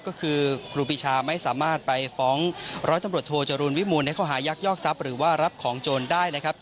ก็คือครูปีชาไม่สามารถไปฟ้องร้อยตำรวจโทจรูลวิมูลในข้อหายักยอกทรัพย์หรือว่ารับของโจรได้นะครับ